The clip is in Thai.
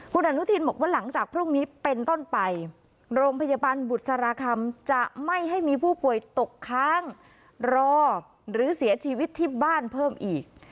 คุณอนุทินบอกว่าหลังจากพรุ่งนี้เป็นต้นไปโรงพยาบาลบุษราคำจะไม่ให้มีผู้ป่วยตกค้างรอหรือเสียชีวิตที่บ้านเพิ่มอีก